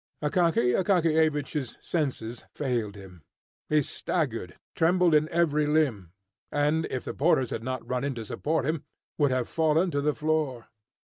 Akaky Akakiyevich's senses failed him. He staggered, trembled in every limb, and, if the porters had not run in to support him, would have fallen to the floor.